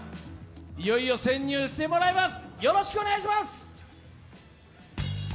いよいよ潜入してもらいます。